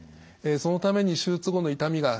そのために手術後の痛みが少ない。